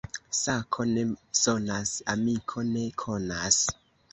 Sako ne sonas, amiko ne konas.